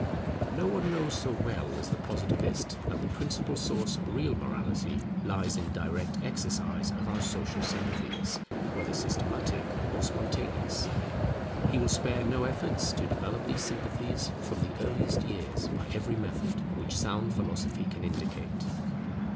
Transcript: No one knows so well as the Positivist that the principal source of real morality lies in direct exercise of our social sympathies, whether systematic or spontaneous. He will spare no efforts to develop these sympathies from the earliest years by every method which sound philosophy can indicate.